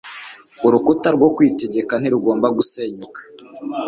urukuta rwo kwitegeka ntirugomba gusenyuka